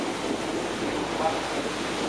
ดีลครับ